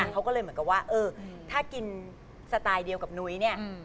เขาก็เลยเหมือนกับว่าเออถ้ากินสไตล์เดียวกับนุ้ยเนี่ย